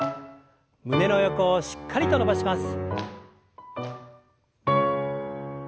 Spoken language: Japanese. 胸の横をしっかりと伸ばします。